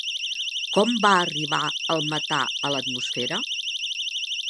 Com va arribar el metà a l'atmosfera?